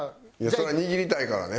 そりゃ握りたいからね